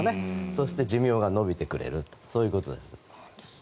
そして寿命が延びてくれるとそういうことなんです。